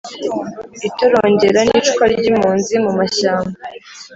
itorongera n' iyicwa ry' impunzi mu mashyamba